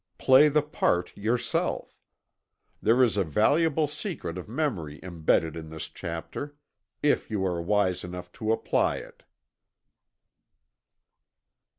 Play the part yourself. There is a valuable secret of memory imbedded in this chapter if you are wise enough to apply it.